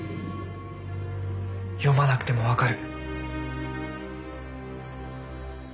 読まなくても分かる。